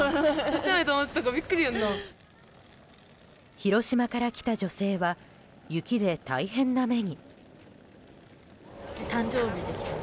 広島から来た女性は雪で大変な目に。